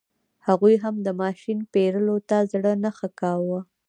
هغوی هم د ماشین پېرلو ته زړه نه ښه کاوه.